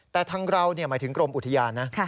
แต่ทางเราหมายถึงกรมอุทยานนะ